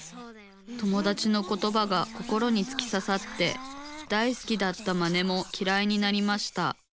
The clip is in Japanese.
友だちのことばが心につきささって大好きだったマネもきらいになりました。